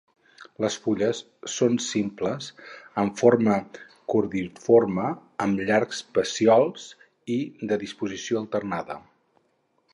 Les fulles són simples amb forma cordiforme amb llargs pecíols i de disposició alternada.